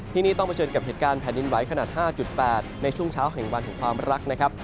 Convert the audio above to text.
ที่นี่ต้องเผชิญกับเหตุการณ์แผ่นดินไหวขนาด๕๘ในช่วงเช้าแห่งวันของความรักนะครับ